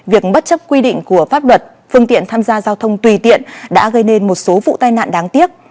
việc bất chấp quy định của pháp luật phương tiện tham gia giao thông tùy tiện đã gây nên một số vụ tai nạn đáng tiếc